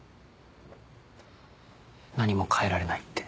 何も変えられないって。